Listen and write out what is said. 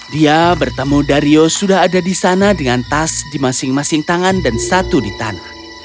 dia bertemu dario sudah ada di sana dengan tas di masing masing tangan dan satu di tanah